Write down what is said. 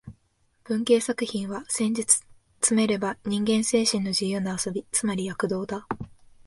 文芸作品は、せんじつめれば人間精神の自由な遊び、つまり躍動だ